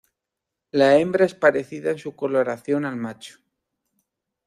La hembra es parecida en su coloración al macho.